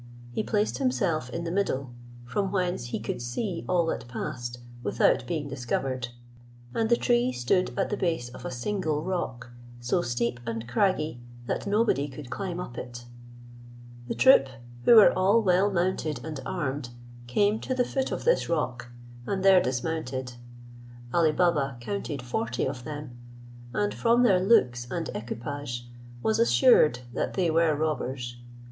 He placed himself in the middle, from whence he could see all that passed without being discovered; and the tree stood at the base of a single rock, so steep and craggy that nobody could climb up it. The troop, who were all well mounted and armed, came to the foot of this rock, and there dismounted. Ali Baba counted forty of them, and, from their looks and equipage, was assured that they were robbers.